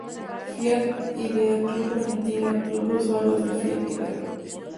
Fiat Idea Club Argentina, Club de usuarios del Fiat Idea